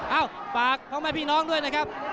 เอ้าฝากพ่อแม่พี่น้องด้วยนะครับ